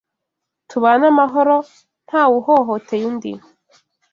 Tubane amahoro ntawuhohoteye undi